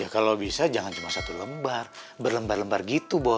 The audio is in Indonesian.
kalau bisa jangan cuma satu lembar berlembar lembar gitu